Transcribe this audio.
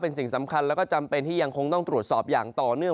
เป็นสิ่งสำคัญแล้วก็จำเป็นที่ยังคงต้องตรวจสอบอย่างต่อเนื่อง